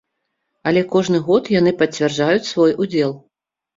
Але кожны год яны пацвярджаюць свой удзел.